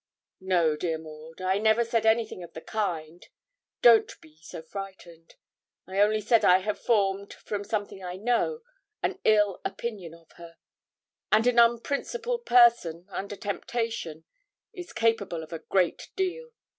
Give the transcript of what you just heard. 'No, dear Maud, I never said anything of the kind; don't be so frightened: I only said I have formed, from something I know, an ill opinion of her; and an unprincipled person, under temptation, is capable of a great deal.